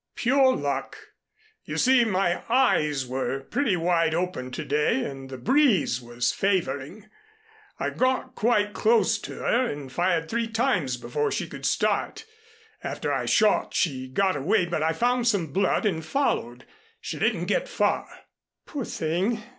"Pure luck. You see my eyes were pretty wide open to day and the breeze was favoring. I got quite close to her and fired three times before she could start. After I shot she got away but I found some blood and followed. She didn't get far." "Poor thing!"